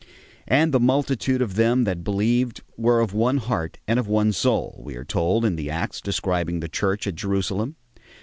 "And the multitude of them that believed were of one heart and of one soul," we are told in the Acts describing the Church at Jerusalem.